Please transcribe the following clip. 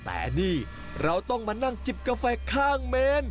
แต่นี่เราต้องมานั่งจิบกาแฟข้างเมน